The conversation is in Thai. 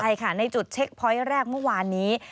ใช่ค่ะในจุดเช็คพอยต์แรกเมื่อวานนี้